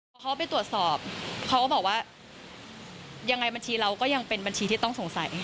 พอเขาไปตรวจสอบเขาก็บอกว่ายังไงบัญชีเราก็ยังเป็นบัญชีที่ต้องสงสัย